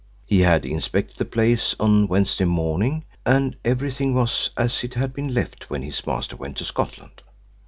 He had inspected the place on Wednesday morning, and everything was as it had been left when his master went to Scotland.